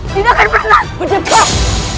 tidak akan pernah menjepang